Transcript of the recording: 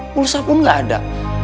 pulsapung gak ada